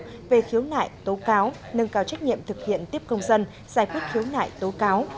và giải quyết khiếu nại tố cao nâng cao trách nhiệm thực hiện tiếp công dân giải quyết khiếu nại tố cao